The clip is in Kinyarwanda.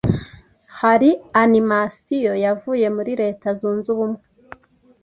hari animasiyo yavuye muri Reta zunzubumwe